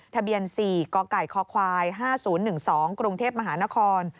ทะเบียน๔กกคค๕๐๑๒กรุงเทพมหานคร